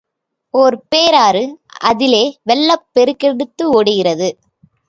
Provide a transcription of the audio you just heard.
ஒரு பேராறு அதிலே வெள்ளம் பெருக்கெடுத்தோடுகிறது.